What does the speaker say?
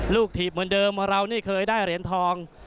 ถีบเหมือนเดิมเรานี่เคยได้เหรียญทอง